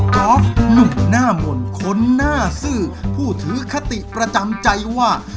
อล์ฟหนุ่มหน้ามนต์คนหน้าซื่อผู้ถือคติประจำใจว่า